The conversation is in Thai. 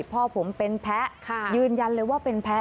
พ่อผมเป็นแพ้ยืนยันเลยว่าเป็นแพ้